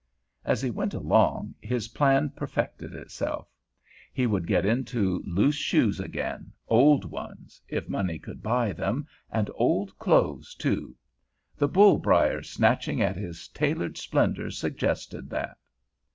As he went along, his plan perfected itself. He would get into loose shoes again, old ones, if money could buy them, and old clothes, too. The bull briers snatching at his tailored splendor suggested that.